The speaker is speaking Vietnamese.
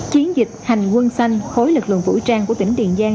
chiến dịch hành quân xanh khối lực lượng vũ trang của tỉnh tiền giang